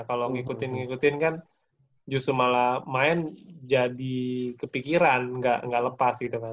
kalau ngikutin ngikutin kan justru malah main jadi kepikiran nggak lepas gitu kan